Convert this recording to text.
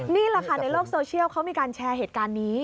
นี่แหละค่ะในโลกโซเชียลเขามีการแชร์เหตุการณ์นี้